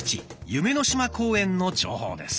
「夢の島公園」の情報です。